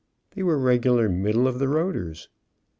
They were regular "middle of the road ers."